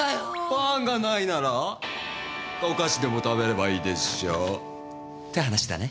「パンがないならお菓子でも食べればいいでしょ」って話だね。